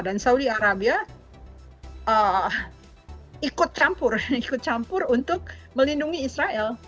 dan saudi arabia ikut campur untuk melindungi israel